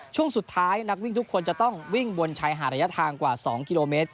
ช่วงสุดท้ายนักวิ่งทุกคนจะต้องวิ่งบนชายหาดระยะทางกว่า๒กิโลเมตร